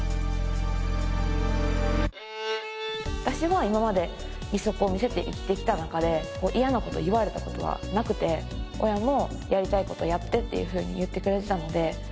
私は今まで義足を見せて生きてきた中で嫌な事を言われた事はなくて親もやりたい事やってっていうふうに言ってくれてたので。